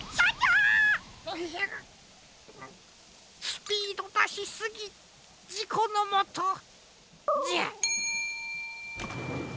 スピードだしすぎじこのもとじゃ。